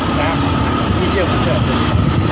น้ำมีเที่ยวมีเที่ยว